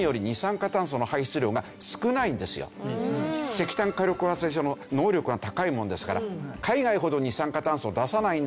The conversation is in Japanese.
石炭火力発電所の能力が高いものですから海外ほど二酸化炭素を出さないんだよ